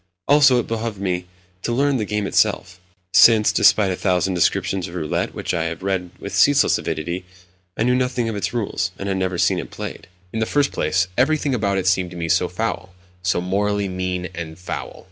Also, it behoved me to learn the game itself; since, despite a thousand descriptions of roulette which I had read with ceaseless avidity, I knew nothing of its rules, and had never even seen it played. In the first place, everything about it seemed to me so foul—so morally mean and foul.